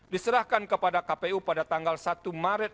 diserahkan kepada kpu pada tanggal satu maret dua ribu sembilan belas